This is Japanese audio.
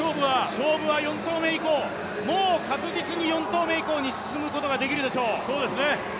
勝負は４投目以降、確実に４投目以降に進むことはできるでしょう。